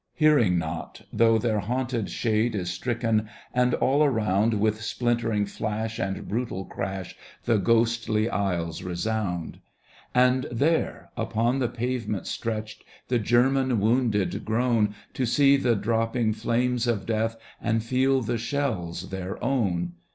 Hearing not, though their haunted shade Is stricken, and all around With splintering flash and brutal crash The ghostly aisles resound. And there, upon the pavement stretched. The German wounded groan To see the dropping flames of death And feel the shells their own.